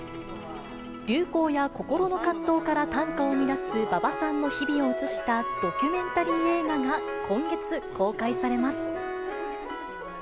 流行や心の葛藤から短歌を生み出す馬場さんの日々を映したドキュメンタリー映画が今月、公開されます。